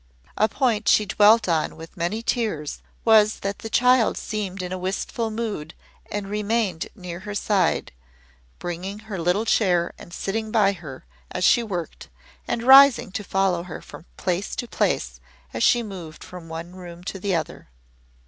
A point she dwelt on with many tears was that the child seemed in a wistful mood and remained near her side bringing her little chair and sitting by her as she worked, and rising to follow her from place to place as she moved from one room to the other.